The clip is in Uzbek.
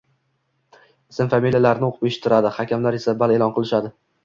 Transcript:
ism familiyalarni o‘qib eshittiradi hakamlar esa ball e’lon qilishadi.